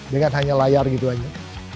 dengan hanya layar gitu aja